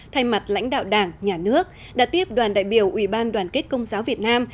thay mặt lãnh đạo đảng nhà nước đã tiếp đoàn đại biểu ủy ban đoàn kết công giáo việt nam